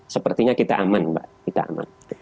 sepertinya kita aman mbak kita aman